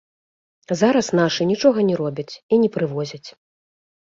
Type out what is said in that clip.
Зараз нашы нічога не робяць і не прывозяць.